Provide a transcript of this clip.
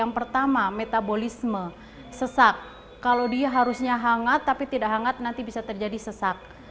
yang pertama metabolisme sesak kalau dia harusnya hangat tapi tidak hangat nanti bisa terjadi sesak